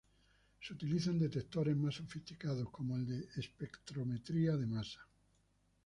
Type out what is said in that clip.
Se utilizan detectores más sofisticados como el de espectrometría de masa.